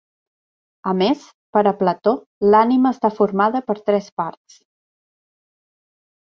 A més, per a Plató l'ànima està formada per tres parts.